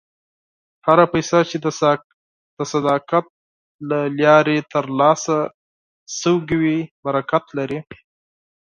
هره پیسه چې د صداقت له لارې ترلاسه شوې وي، برکت لري.